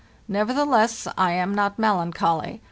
Nevertheless, I am not melancholy.